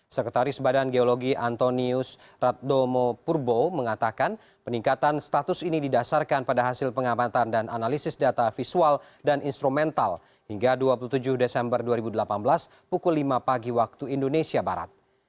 sekretaris badan geologi antonius ratdomo purbo mengatakan peningkatan status ini didasarkan pada hasil pengamatan dan analisis data visual dan instrumental hingga dua puluh tujuh desember dua ribu delapan belas pukul lima pagi waktu indonesia barat